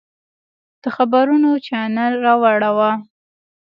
د خبرونو چاینل راواړوه!